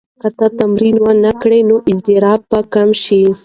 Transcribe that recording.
که ته تمرین ونه کړې نو اضطراب به زیات شي.